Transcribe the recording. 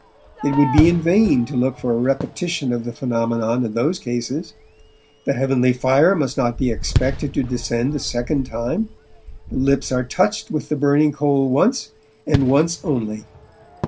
It would be in vain to look for a repetition of the phenomenon in those cases. The heavenly fire must not be expected to descend a second time; the lips are touched with the burning coal once, and once only.